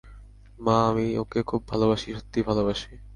মা, আমি ওকে খুব ভালবাসি, সত্যিই ভালোবাসি।